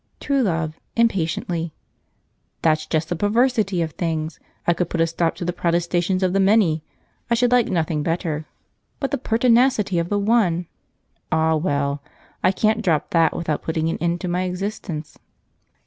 True Love (impatiently). "That's just the perversity of things. I could put a stop to the protestations of the many; I should like nothing better but the pertinacity of the one! Ah, well! I can't drop that without putting an end to my existence."